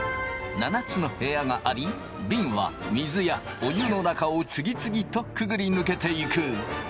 ７つの部屋がありびんは水やお湯の中を次々とくぐり抜けていく。